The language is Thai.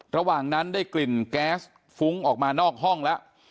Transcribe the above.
ระหว่างนั้นได้กลิ่นแก๊สฟุ้งออกมานอกห้องแล้ว